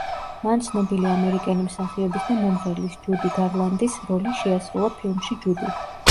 მან ცნობილი ამერიკელი მსახიობის და მომღერლის, ჯუდი გარლანდის როლი შეასრულა ფილმში „ჯუდი“.